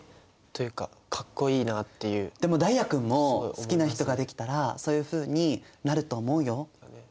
何かでも太哉君も好きな人ができたらそういうふうになると思うよ。